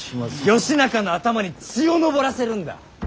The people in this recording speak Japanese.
義仲の頭に血を上らせるんだ。